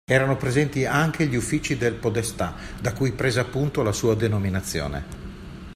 Erano presenti anche gli uffici del podestà, da cui prese appunto la sua denominazione.